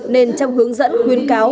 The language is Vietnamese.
nên trong hướng dẫn khuyến cáo